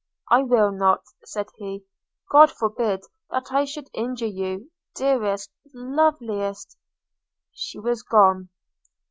– 'I will not,' said he: 'God forbid that I should injure you, dearest, loveliest –!' She was gone!